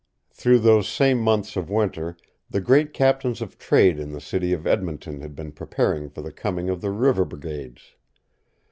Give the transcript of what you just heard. Through those same months of winter, the great captains of trade in the city of Edmonton had been preparing for the coming of the river brigades.